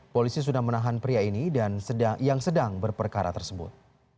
polisi sudah menahan pria ini dan yang sedang berperkara tersebut